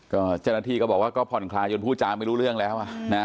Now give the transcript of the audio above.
ก็เจ้าหน้าที่ก็บอกว่าก็ผ่อนคลายจนพูดจาไม่รู้เรื่องแล้วนะ